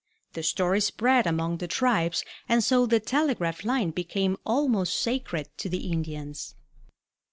The story spread among the tribes, and so the telegraph line became almost sacred to the Indians.